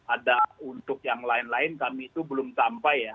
ada untuk yang lain lain kami itu belum sampai ya